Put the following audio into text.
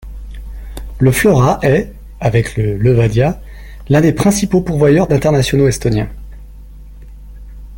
Le Flora est, avec le Levadia l'un des principaux pourvoyeur d'internationaux estonien.